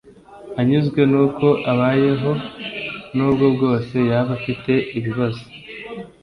anyuzwe n’uko abayeho nubwo bwose yaba afite ibibazo